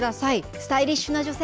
スタイリッシュな女性